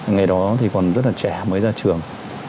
ngày đó thì còn rất là trẻ mới ra trường